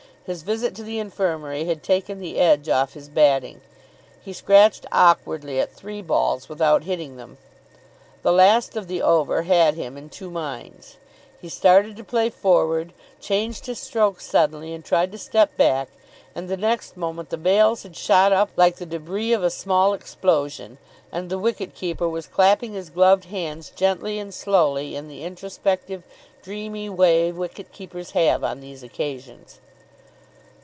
His visit to the Infirmary had taken the edge off his batting. He scratched awkwardly at three balls without hitting them. The last of the over had him in two minds. He started to play forward, changed his stroke suddenly and tried to step back, and the next moment the bails had shot up like the débris of a small explosion, and the wicket keeper was clapping his gloved hands gently and slowly in the introspective, dreamy way wicket keepers have on these occasions.